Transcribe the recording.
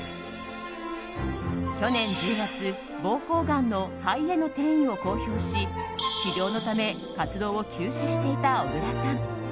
去年１０月、膀胱がんの肺への転移を公表し治療のため活動を休止していた小倉さん。